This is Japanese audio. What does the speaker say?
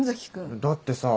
だってさ